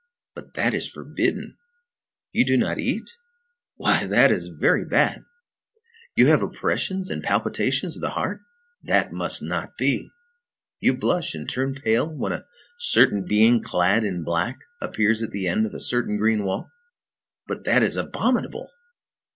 But that is forbidden! You do not eat? Why, that is very bad! You have oppressions and palpitations of the heart? That must not be! You blush and turn pale, when a certain being clad in black appears at the end of a certain green walk? But that is abominable!"